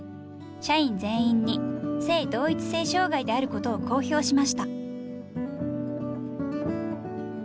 社員全員に性同一性障害であることを公表しました。